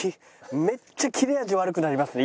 めっちゃ切れ味悪くなりますね